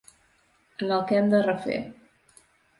En el que hem de refer.